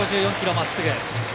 真っすぐ。